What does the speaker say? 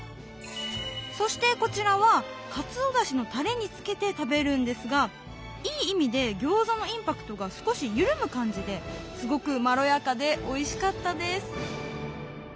そしてこちらはかつおだしのたれにつけて食べるんですがいい意味で餃子のインパクトが少し緩む感じですごくまろやかでおいしかったです